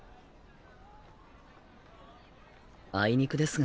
あいにくですが。